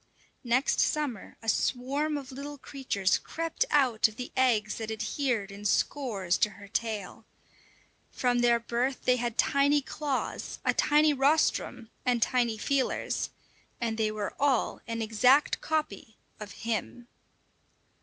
Next summer a swarm of little creatures crept out of the eggs that adhered in scores to her tail. From their birth they had tiny claws, a tiny rostrum, and tiny feelers; and they were all an exact copy of him.